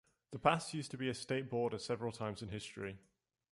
The pass used to be a state border several times in history.